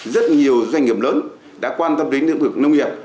rất nhiều doanh nghiệp lớn đã quan tâm đến lĩnh vực nông nghiệp